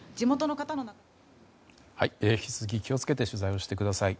引き続き気を付けて取材してください。